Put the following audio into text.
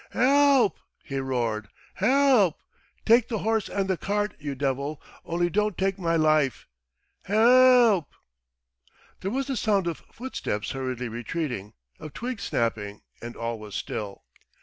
"Help!" he roared. "Help! Take the horse and the cart, you devil, only don't take my life. Help!" There was the sound of footsteps hurriedly retreating, of twigs snapping and all was still.